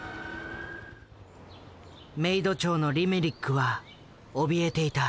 メイド長のリメリックはおびえていた。